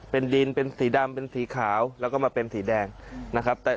เป็นดินเป็นสีดำเป็นสีขาวแล้วก็มาเป็นสีแดงนะครับ